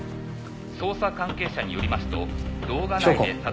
「捜査関係者によりますと」祥子。